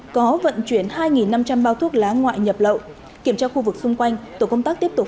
có vận chuyển hai năm trăm linh bao thuốc lá ngoại nhập lậu kiểm tra khu vực xung quanh tổ công tác tiếp tục